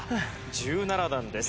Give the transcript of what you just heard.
１７段です。